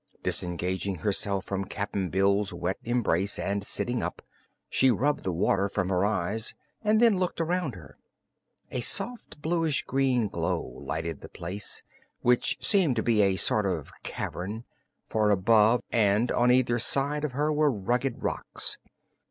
Disengaging herself from Cap'n Bill's wet embrace and sitting up, she rubbed the water from her eyes and then looked around her. A soft, bluish green glow lighted the place, which seemed to be a sort of cavern, for above and on either side of her were rugged rocks.